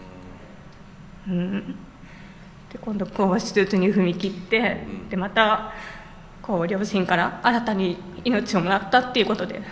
で今度この手術に踏み切ってまた両親から新たに命をもらったっていうことで。